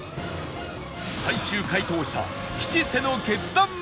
最終解答者吉瀬の決断は